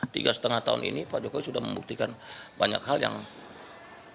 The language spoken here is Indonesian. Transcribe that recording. tiga setengah tahun ini pak jokowi sudah membuktikan banyak hal